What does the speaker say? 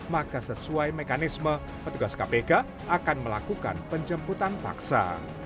maka sesuai mekanisme petugas kpk akan melakukan penjemputan paksa